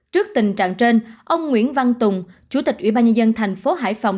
trước tình trạng trên ông nguyễn văn tùng chủ tịch ủy ban nhân dân thành phố hải phòng